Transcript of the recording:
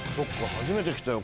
初めて来たよ